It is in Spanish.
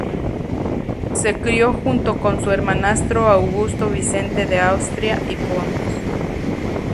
Se crió junto con su hermanastro Augusto Vicente de Austria y Pons.